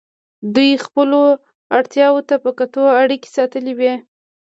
دوی خپلو اړتیاوو ته په کتو اړیکې ساتلې وې.